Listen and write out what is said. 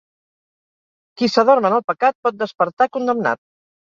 Qui s'adorm en el pecat pot despertar condemnat.